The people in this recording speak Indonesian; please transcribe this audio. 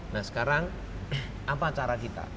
nah sekarang apa cara kita